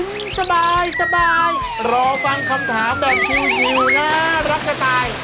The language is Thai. ยิ้มสบายรอฟังคำถามแบบชิวน่ารักสตาย